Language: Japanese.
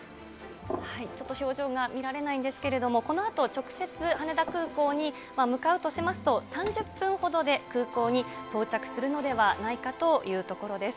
ちょっと表情が見られないんですけれども、このあと直接羽田空港に向かうとしますと、３０分ほどで、空港に到着するのではないかというところです。